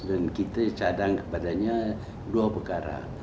kita cadang kepadanya dua perkara